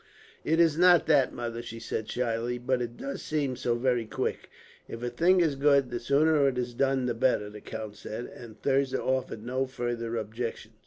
"It is not that, mother," she said shyly; "but it does seem so very quick." "If a thing is good, the sooner it is done the better," the count said; and Thirza offered no further objection.